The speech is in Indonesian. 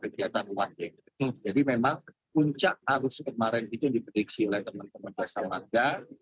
jadi memang puncak arus kemarin itu dipetiksi oleh teman teman dasar landa